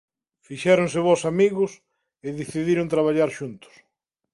Fixéronse bos amigos e decidiron traballar xuntos.